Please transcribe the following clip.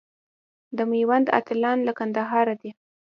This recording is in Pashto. د میوند اتلان له کندهاره دي.